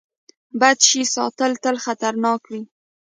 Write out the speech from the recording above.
بد شی ساتل تل خطرناک وي.